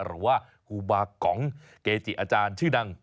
หรือว่าครูบากองเกจิอาจารย์ชื่อดัง